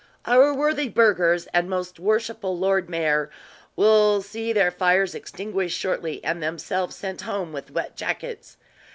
Our worthy burghers and most worshipful Lord Mayor will see their fires extinguished shortly, and themselves sent home with wet jackets."